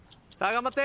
頑張って！